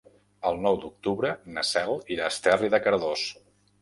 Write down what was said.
El nou d'octubre na Cel irà a Esterri de Cardós.